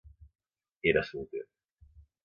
Era solter.